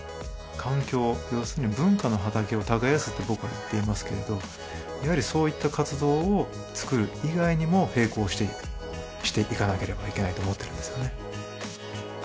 環境要するに文化の畑を耕すって僕は言っていますけれどやはりそういった活動を「つくる」以外にも平行してしていかなければいけないと思ってるんですよね